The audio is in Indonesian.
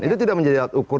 itu tidak menjadi alat ukur